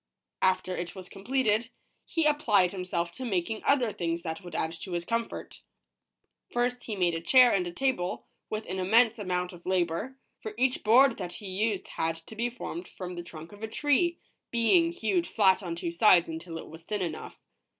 After it was completed, he applied himself to making other things that would add to his comfort. First, he made a chair and a table, with an immense amount of labor, for each board that he used had to be formed from the trunk of a tree, being hewed flat on two sides until it was thin enough.